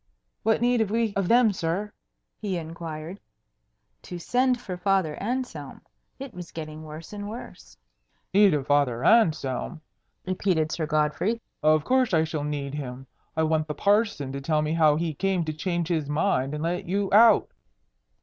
"What need have we of them, sir?" he inquired. To send for Father Anselm! It was getting worse and worse. "Need of Father Anselm?" repeated Sir Godfrey. "Of course I shall need him. I want the parson to tell me how he came to change his mind and let you out."